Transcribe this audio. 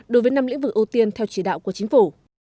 đối với năm lĩnh vực ưu tiên theo chỉ đạo của chính phủ